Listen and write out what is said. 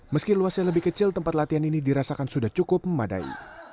meski luasnya lebih kecil tempat latihan ini dirasakan sudah cukup memadai